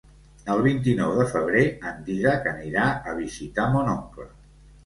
El vint-i-nou de febrer en Dídac anirà a visitar mon oncle.